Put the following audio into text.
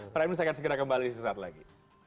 prime news akan segera kembali di saat ini